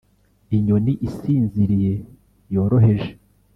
inyoni isinziriye yoroheje